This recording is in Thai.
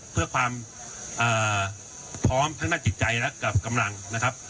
เพื่อความพร้อมทั้งด้านจิตใจและกับกำลังนะครับ